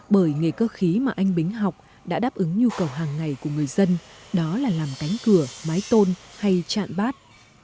bởi nghề cơ khí mà anh bính học đã đáp ứng nhu cầu hàng ngày của người dân đó là làm cánh cửa mái tôn hay trạm bát